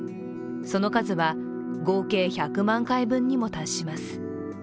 その数は合計１００万回分にも達します。